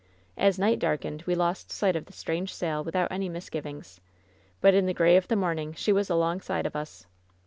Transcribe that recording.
As night darkened we lost sight of the strange sail, without any misgivings. But in the gray of the morning she was alongside of us!